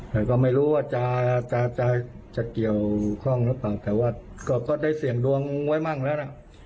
แต่ก็ไม่รู้ว่าจะเกี่ยวข้องหรือเปล่าแต่ว่าก็ได้เสี่ยงดวงไว้มั่งแล้วนะ